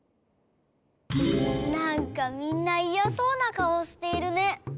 なんかみんないやそうなかおしているね。